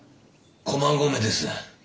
駒込です。